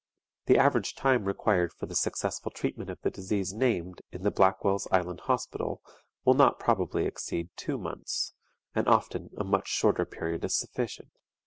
The average time required for the successful treatment of the disease named, in the Blackwell's Island Hospital, will not probably exceed two months, and often a much shorter period is sufficient.